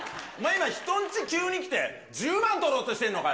今、人んち急に来て、１０万取ろうとしてんのかよ。